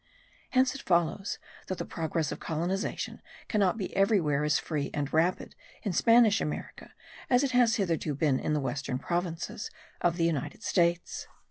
Hence it follows that the progress of colonization cannot be everywhere as free and rapid in Spanish America as it has hitherto been in the western provinces of the United States.